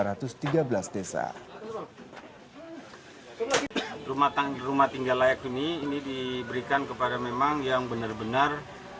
rumah tinggal layak ini ini diberikan kepada memang yang benar benar